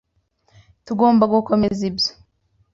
Tugomba gukomeza ibyo.